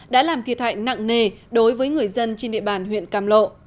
đã làm thiệt hại nặng nề đối với người dân trên địa bàn huyện cam lộ